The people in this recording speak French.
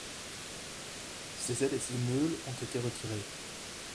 Ses ailes et ses meules ont été retirées.